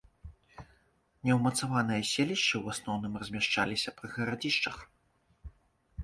Неўмацаваныя селішчы ў асноўным размяшчаліся пры гарадзішчах.